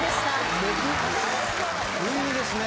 いいですね。